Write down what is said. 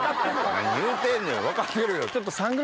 何言うてんのよ分かってるよ。